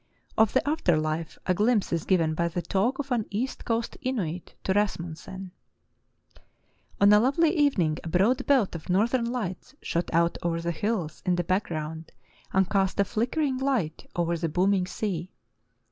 Of the after life a glimpse is given by the talk of an east coast Inuit to Rasmussen: "On a lovely evening a broad belt of northern lights shot out over the hills in the background and cast a flickering light over the booming sea.